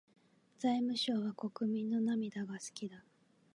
財務省は国民の涙が好きだ。